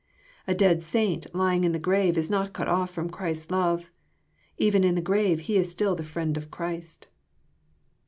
A dead saint lying in the grave is not cut off ftom Christ's love : even in his grave, he is still the firiend of Christ.